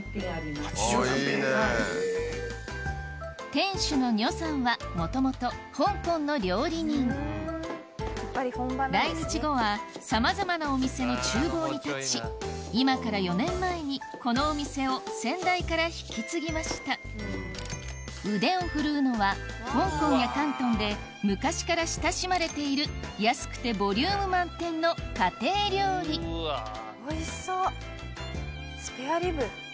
店主のニョさんはもともと香港の料理人来日後はさまざまなお店の厨房に立ち今から４年前にこのお店を先代から引き継ぎました腕を振るうのは香港や広東で昔から親しまれている安くてボリューム満点の家庭料理おいしそうスペアリブ。